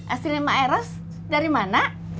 aslinya emak eros dari mana